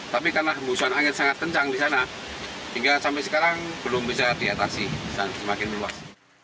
tapi karena hembusan angin sangat kencang di sana hingga sampai sekarang belum bisa diatasi dan semakin meluas